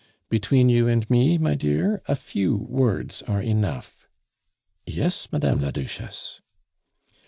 "Between you and me, my dear, a few words are enough." "Yes, Madame la Duchesse."